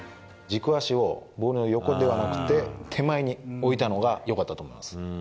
軸足をボールの横ではなくて、手前に置いたのがよかったと思います。